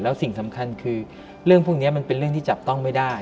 แล้วสิ่งสำคัญคือเรื่องพวกนี้มันเป็นเรื่องที่จับต้องไม่ได้